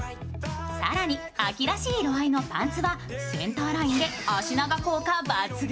更に、秋らしい色合いのパンツはセンターラインで脚長効果抜群。